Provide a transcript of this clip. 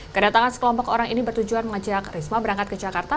kedatangan sekelompok orang ini bertujuan mengajak risma berangkat ke jakarta